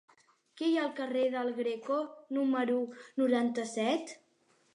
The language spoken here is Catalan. Què hi ha al carrer del Greco número noranta-set?